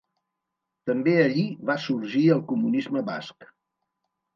També allí va sorgir el comunisme basc.